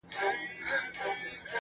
زما د فكر د ائينې شاعره .